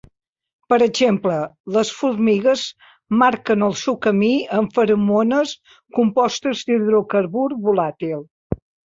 Per exemple, les formigues marquen el seu camí amb feromones compostes d'hidrocarbur volàtil.